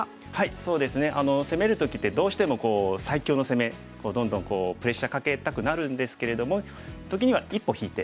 そうですね攻める時ってどうしても最強の攻めどんどんこうプレッシャーかけたくなるんですけれども。